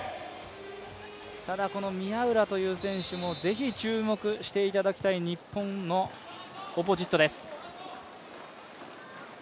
宮浦という選手もぜひ注目していただきたい日本のオポジットです。